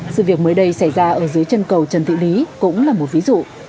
sự việc mới đây xảy ra ở dưới chân cầu trần thị lý cũng là một ví dụ